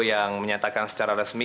yang menyatakan secara resmi